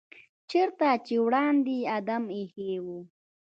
چېرته چې وړاندې آدم ایښی و.